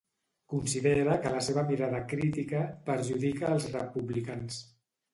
Considera que la seva mirada crítica ‘perjudica els republicans’.